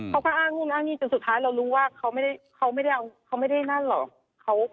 กลับไปอ้างนี่อ้างนี่จนสุดท้ายเรารู้ว่าเขาไม่ได้นั่นหรอก